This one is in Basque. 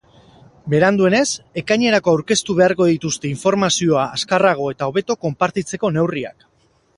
Beranduenez, ekainerako aurkeztu beharko dituzte informazioa azkarrago eta hobeto konpartitzeko neurriak.